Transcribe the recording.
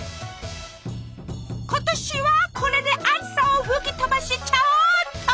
今年はこれで暑さを吹き飛ばしちゃおうっと！